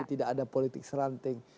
tidak ada politik seranting